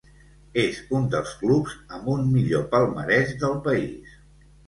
És un dels clubs amb un millor palmarès del país.